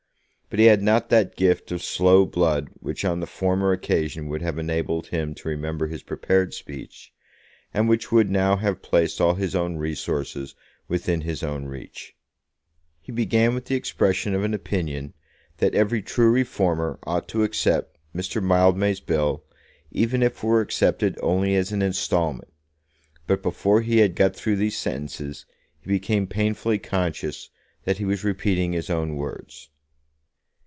But he had not that gift of slow blood which on the former occasion would have enabled him to remember his prepared speech, and which would now have placed all his own resources within his own reach. He began with the expression of an opinion that every true reformer ought to accept Mr. Mildmay's bill, even if it were accepted only as an instalment, but before he had got through these sentences, he became painfully conscious that he was repeating his own words.